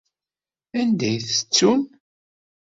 Anda i t-ttun?